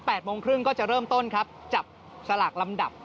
โมงครึ่งก็จะเริ่มต้นครับจับสลากลำดับ